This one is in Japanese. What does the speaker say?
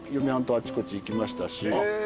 あちこち行きましたし。